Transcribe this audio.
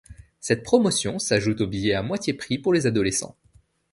Cette promotion s'ajoute aux billets à moitié prix pour les adolescents.